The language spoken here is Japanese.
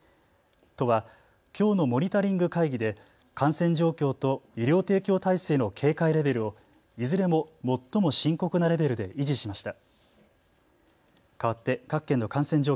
都はきょうのモニタリング会議で感染状況と医療提供体制の警戒レベルをいずれも最も深刻なレベルで維持しました。